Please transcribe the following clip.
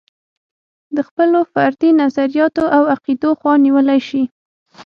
د خپلو فردي نظریاتو او عقدو خوا نیولی شي.